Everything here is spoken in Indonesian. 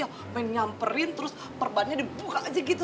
tante kamu mau ngelukain terus perban dibuka aja gitu